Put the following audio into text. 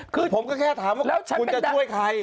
คือผมก็แค่ถามว่าแล้วฉันจะช่วยใคร